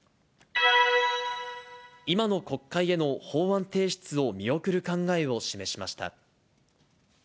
今の国会への法案提出を見送る考えを示しました。